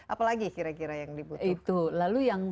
apalagi kira kira yang dibutuhkan